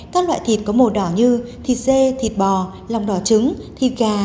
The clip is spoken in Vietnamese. các loại thịt có màu đỏ như thịt dê thịt bò lòng đỏ trứng thịt gà